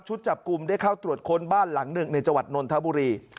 จับกลุ่มได้เข้าตรวจค้นบ้านหลังหนึ่งในจังหวัดนนทบุรี